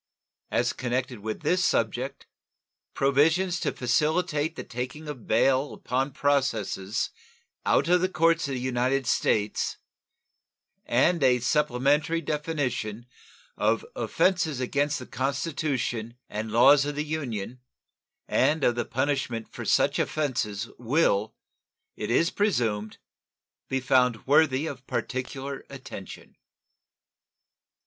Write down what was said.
As connected with this subject, provisions to facilitate the taking of bail upon processes out of the courts of the United States and a supplementary definition of offenses against the Constitution and laws of the Union and of the punishment for such offenses will, it is presumed, be found worthy of particular attention.